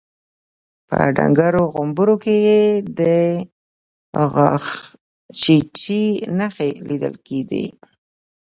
په ډنګرو غومبرو کې يې د غاښچيچي نښې ليدل کېدې.